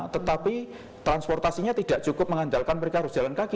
tetapi transportasinya tidak cukup mengandalkan mereka harus jalan kaki